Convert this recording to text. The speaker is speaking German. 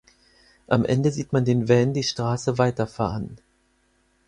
Am Ende sieht man den Van die Straße weiterfahren.